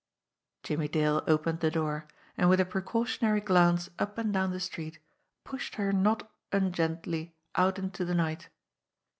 Jimmie Dale opened the door, and with a precautionary glance up and down the street, pushed her not ungently out into the night.